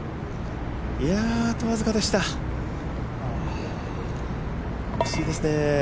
あと僅かでした、惜しいですね。